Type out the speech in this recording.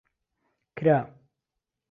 کرا.